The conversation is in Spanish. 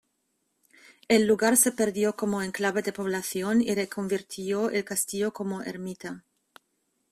El lugar se perdió como enclave de población y reconvirtió el castillo como ermita.